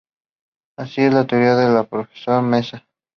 Así es la teoría del profesor Meza.